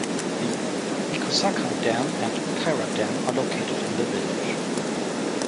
The Ikusaka Dam and Taira Dam are located in the village.